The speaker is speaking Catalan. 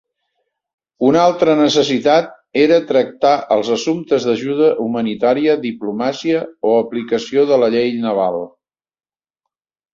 Una altra necessitat era tractar els assumptes d"ajuda humanitària, diplomàcia o aplicació de la llei naval.